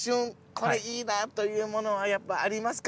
これいいなというものはありますか？